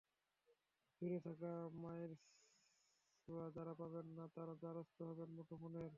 দূরে থাকা মায়ের ছোঁয়া যাঁরা পাবেন না, তাঁরা দ্বারস্থ হবেন মুঠোফোনের।